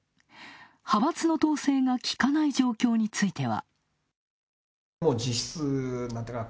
派閥の統制がきかない状況については。